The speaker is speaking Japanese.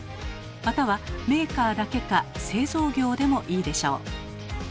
または「メーカー」だけか「製造業」でもいいでしょう。